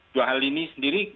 dua hal ini sendiri